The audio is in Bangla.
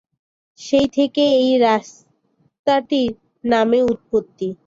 সেই থেকেই এই রাস্তাটির নামের উৎপত্তি।